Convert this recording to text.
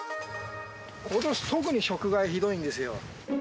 ことし特に食害ひどいんです